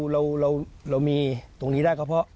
เรามีตรงนี้ได้ก็เพราะ